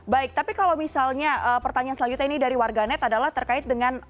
baik tapi kalau misalnya pertanyaan selanjutnya ini dari warganet adalah terkait dengan